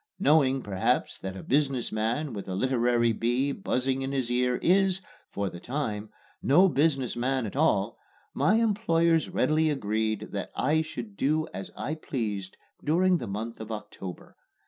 Knowing, perhaps, that a business man with a literary bee buzzing in his ear is, for the time, no business man at all, my employers readily agreed that I should do as I pleased during the month of October.